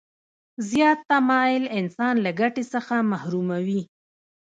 زیات تماعل انسان له ګټې څخه محروموي.